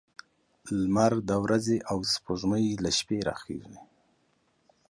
لمر د ورځې او سپوږمۍ له شپې راخيژي